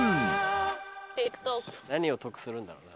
何を得するんだろうな。